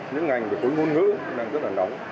những ngành khối ngôn ngữ đang rất là nóng